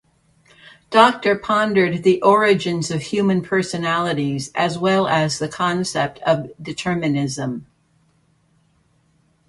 Docter pondered the origins of human personalities as well as the concept of determinism.